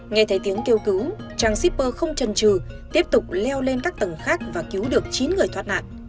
nghe thấy tiếng kêu cứu chàng shipper không trần trừ tiếp tục leo lên các tầng khác và cứu được chín người thoát nạn